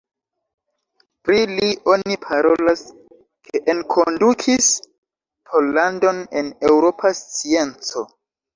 Pri li oni parolas ke enkondukis Pollandon en eŭropa scienco.